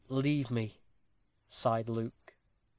"Leave me," sighed Luke.